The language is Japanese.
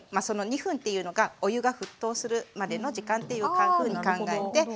その２分っていうのがお湯が沸騰するまでの時間というふうに考えて。